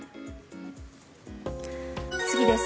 次です。